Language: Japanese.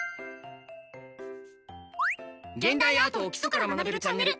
「現代アートを基礎から学べるチャンネル」